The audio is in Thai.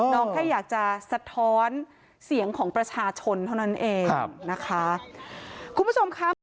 น้องแค่อยากจะสะท้อนเสียงของประชาชนเท่านั้นเอง